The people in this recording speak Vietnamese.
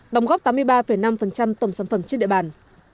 đóng góp tám mươi ba năm tổng sản phẩm trên địa bàn